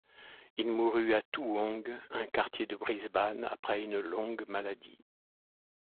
Il mourut à Toowong, un quartier de Brisbane, après une longue maladie.